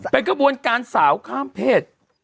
เป็นกระบวนการสาวข้ามเพศ